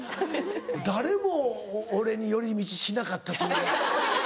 誰も俺に寄り道しなかったっていうのが。